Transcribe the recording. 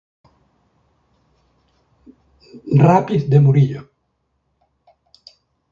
Rapid de Murillo.